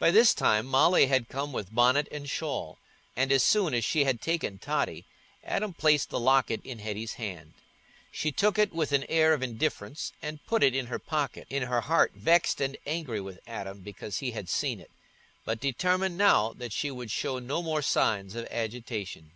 By this time Molly had come with bonnet and shawl, and as soon as she had taken Totty, Adam placed the locket in Hetty's hand. She took it with an air of indifference and put it in her pocket, in her heart vexed and angry with Adam because he had seen it, but determined now that she would show no more signs of agitation.